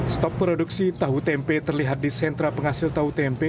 stop produksi tahu tempe terlihat di sentra penghasil tahu tempe